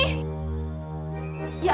ya ampun kim lo kemana aja